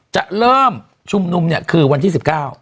จะเริ่มชุมนุมเนี่ยคือวันที่๑๙